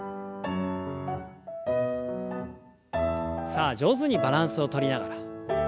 さあ上手にバランスをとりながら。